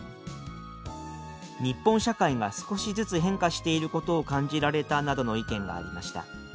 「日本社会が少しずつ変化していることを感じられた」などの意見がありました。